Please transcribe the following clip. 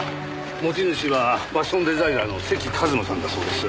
持ち主はファッションデザイナーの関一馬さんだそうです。